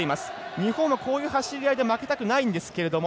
日本は走り合いでは負けたくないんですけれども。